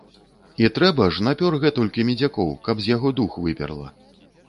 І трэба ж, напёр гэтулькі медзякоў, каб з яго дух выперла.